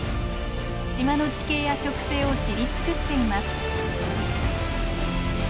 島の地形や植生を知り尽くしています。